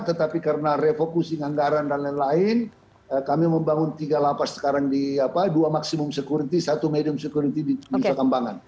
tetapi karena refocusing anggaran dan lain lain kami membangun tiga lapas sekarang di dua maksimum security satu medium security di nusa kambangan